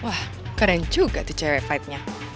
wah keren juga tuh cewek fightnya